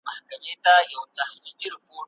ډاکټر غني د نړيوال بانک مهم غړی پاتې شوی دی.